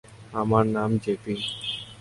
আমার নাম জেপি।